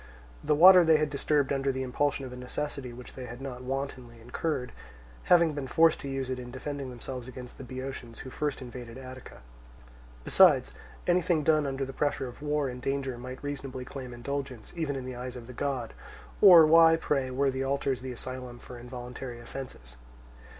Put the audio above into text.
The water they had disturbed under the impulsion of a necessity which they had not wantonly incurred, having been forced to use it in defending themselves against the Boeotians who first invaded Attica. Besides, anything done under the pressure of war and danger might reasonably claim indulgence even in the eye of the god; or why, pray, were the altars the asylum for involuntary offences?